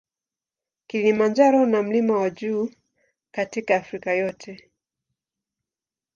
Kilimanjaro na mlima wa juu katika Afrika yote.